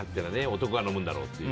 男が飲むんだろうって。